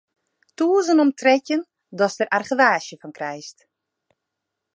Tûzen om trettjin datst der argewaasje fan krijst.